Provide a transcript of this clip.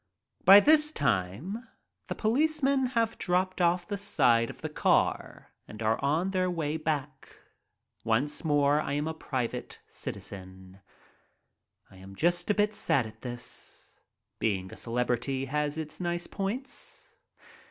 By this time the policemen have dropped off the side of the car and are on their way back. Once more I am a private citizen. I am just a bit sad at this. Being a celebrity has its nice points.